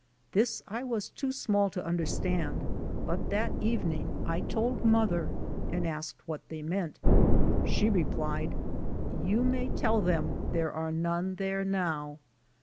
This I was too small to understand but that even ing I told mother and asked what they meant. She replied, ''You may tell them there are none there now."